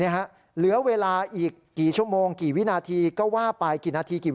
เหลือเวลาอีกกี่ชั่วโมงกี่วินาทีก็ว่าไป